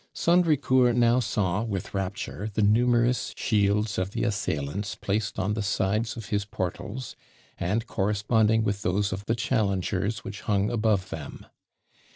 Sandricourt now saw with rapture the numerous shields of the assailants placed on the sides of his portals, and corresponding with those of the challengers which hung above them.